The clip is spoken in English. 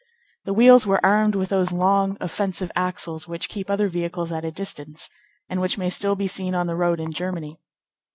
The wheels were armed with those long, offensive axles which keep other vehicles at a distance, and which may still be seen on the road in Germany.